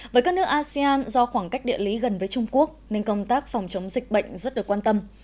với các nước asean do khoảng cách địa lý gần với trung quốc nên công tác phòng chống dịch bệnh rất được quan tâm